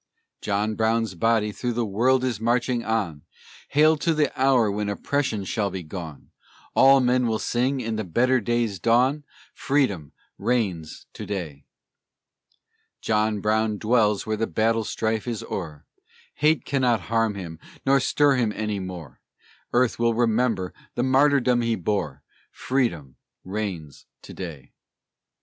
John Brown's body through the world is marching on; Hail to the hour when oppression shall be gone; All men will sing in the better day's dawn, Freedom reigns to day! John Brown dwells where the battle's strife is o'er; Hate cannot harm him, nor sorrow stir him more; Earth will remember the martyrdom he bore, Freedom reigns to day!